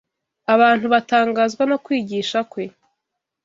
Abantu batangazwa no kwigisha kwe